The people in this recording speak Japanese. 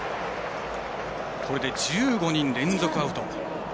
これで１５人連続アウト。